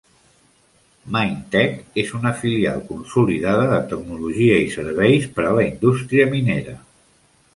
Minetec és una filial consolidada de tecnologia i serveis per a la indústria minera.